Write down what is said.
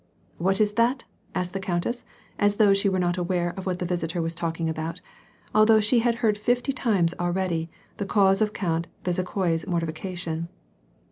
" What is that," asked the countess, as though she were not aware of what the visitor was talking about, although she had heard fifty times already, the cause of Count Bezu khoi's mortification.